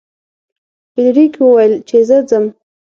فلیریک وویل چې زه ځم.